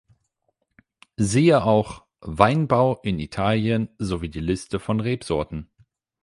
Siehe auch: Weinbau in Italien sowie die Liste von Rebsorten.